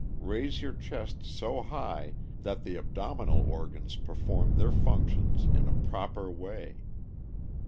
Raise your chest so high that the abdominal organs perform their functions in a proper way.